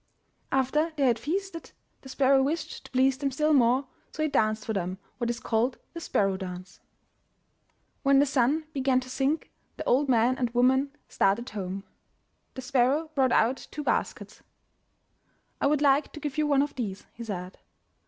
After they had feasted, the sparrow wished to please them still more, so he danced for them what is called the *'sparrow dance." MY BOOK HOUSE When the sun began to sink, the old man and woman started home. The sparrow brought out two baskets. *'I would like to give you one of these," he said.